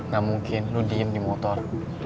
gak mungkin lo diem di motor